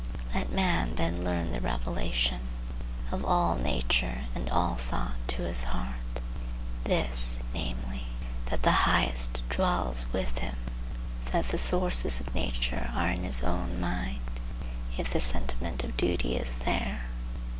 Let man then learn the revelation of all nature and all thought to his heart; this, namely; that the Highest dwells with him; that the sources of nature are in his own mind, if the sentiment of duty is there.